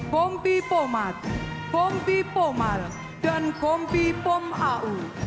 kompi pomat kompi pomal dan kompi pomau